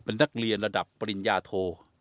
เป็นนักเรียนระดับปริญญาโท